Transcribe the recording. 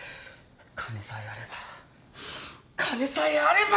金さえあれば金さえあれば！